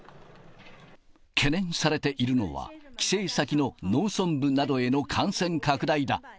懸念されているのは、帰省先の農村部などへの感染拡大だ。